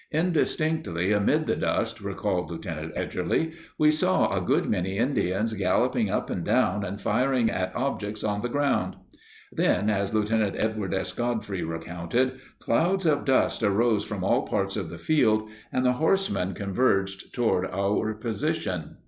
Indistinctly amid the dust, recalled Lieutenant Edgerly, "We saw a good many Indians galloping up and down and firing at objects on the ground." Then, as Lt. Edward S. Godfrey recounted, "clouds of dust arose from all parts of the field, and the horsemen converged toward our position."